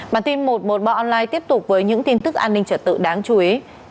bản tin một trăm một mươi ba online tiếp tục với những tin tức an ninh trở tự đáng chú ý